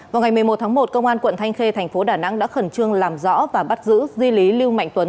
vào ngày một mươi một tháng một công an quận thanh khê thành phố đà nẵng đã khẩn trương làm rõ và bắt giữ di lý lưu mạnh tuấn